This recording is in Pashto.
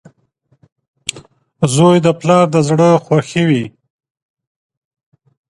• زوی د پلار د زړۀ خوښي وي.